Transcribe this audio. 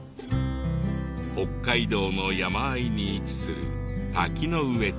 北海道の山あいに位置する滝上町。